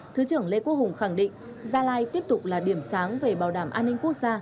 thứ trưởng lê quốc hùng khẳng định gia lai tiếp tục là điểm sáng về bảo đảm an ninh quốc gia